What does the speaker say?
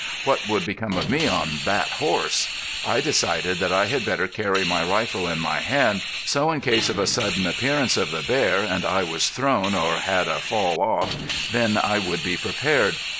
What would become of me on that horse? I decided that I had better carry my rifle in my hand, so in case of a sudden appearance of the bear and I was thrown or had a fall off, then I would be prepared.